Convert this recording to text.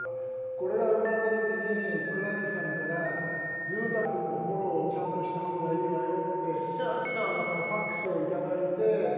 これが生まれた時に黒柳さんから「裕太君のフォローをちゃんとした方がいいわよ」ってファクスをいただいて。